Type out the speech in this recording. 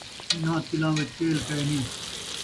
انہاں تلاں وچ تیل کائے نی